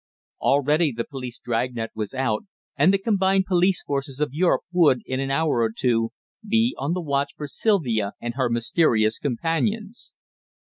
Already the police drag net was out, and the combined police forces of Europe would, in an hour or two, be on the watch for Sylvia and her mysterious companions.